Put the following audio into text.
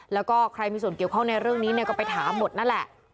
แล้วก็ใครมีส่วนเกี่ยวข้องในเรื่องนี้ก็ไปถามหมดนั่นแหละ